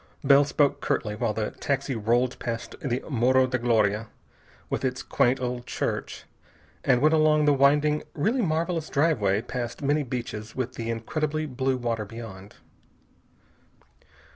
Bell spoke curtly, while the taxi rolled past the Morro da Gloria with its quaint old church and went along the winding, really marvelous driveway past many beaches, with the incredibly blue water beyond.